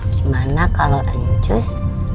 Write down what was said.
gimana kalau anjus